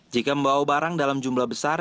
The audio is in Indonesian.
jika membawa barang dalam jumlah besar